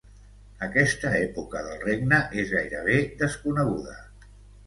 Aquesta època del regne és gairebé desconeguda.